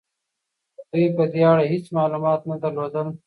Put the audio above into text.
دوی په دې اړه هيڅ معلومات نه درلودل.